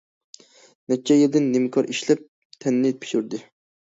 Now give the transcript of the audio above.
نەچچە يىلىدىن نىمكار ئىشلەپ، تەننى پىشۇردى.